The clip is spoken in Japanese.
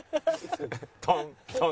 トントン。